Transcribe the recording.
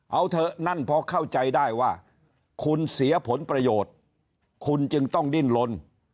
เอาเถอะนั่นพอเข้าใจได้ว่าคุณเสียผลประโยชน์คุณจึงต้องดิ้นลน